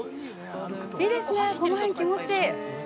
いいですね、この辺、気持ちいい。